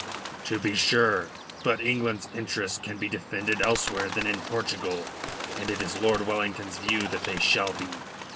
"To be sure. But England's interests can be defended elsewhere than in Portugal, and it is Lord Wellington's view that they shall be.